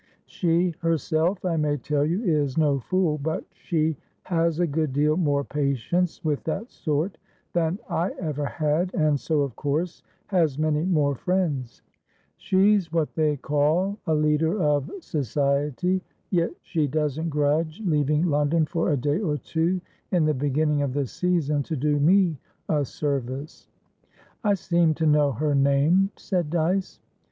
She herself, I may tell you, is no fool, but she has a good deal more patience with that sort than I ever had, and so, of course, has many more friends. She's what they call a leader of Society, yet she doesn't grudge leaving London for a day or two in the beginning of the Season to do me a service." "I seem to know her name," said Dyce.